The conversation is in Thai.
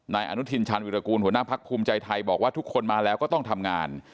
อนุทินชาญวิรากูลหัวหน้าพักภูมิใจไทยบอกว่าทุกคนมาแล้วก็ต้องทำงาน